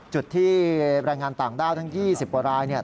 จุดที่แรงงานต่างด้าวทั้ง๒๐ประวัติศาสตร์ประกัน